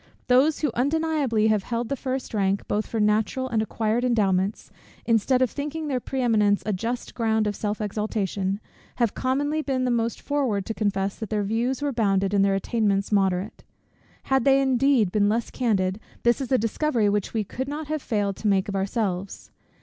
Those who undeniably have held the first rank, both for natural and acquired endowments, instead of thinking their pre eminence a just ground of self exaltation, have commonly been the most forward to confess that their views were bounded and their attainments moderate. Had they indeed been less candid, this is a discovery which we could not have failed to make of ourselves.